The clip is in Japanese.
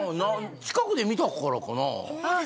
近くで見たからかな。